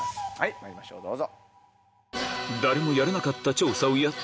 まいりましょうどうぞ。